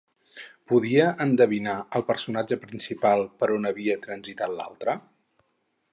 Podia endevinar el personatge principal per on havia transitat l'altre?